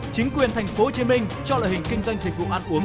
chính quyền tp hcm cho loại hình kinh doanh dịch vụ ăn uống